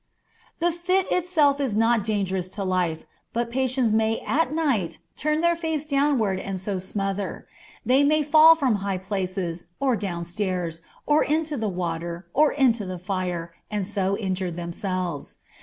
The fit itself is not dangerous to life, but patients may at night turn their face downward and so smother; they may fall from high places, or down stairs, or into the water, or into the fire, and so injure themselves.